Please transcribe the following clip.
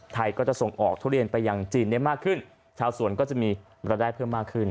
ไทยก็จะส่งออกทุเรียนไปยังจีนได้มากขึ้นชาวสวนก็จะมีรายได้เพิ่มมากขึ้น